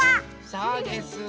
そうです。